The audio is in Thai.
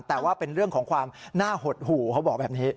แต่ว่าเป็นเรื่องของความน่าหดหู่เขาบอกแบบนี้